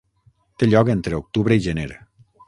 Té lloc entre octubre i gener.